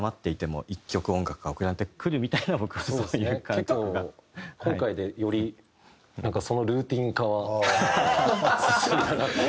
結構今回でよりなんかそのルーティン化は進んだなという。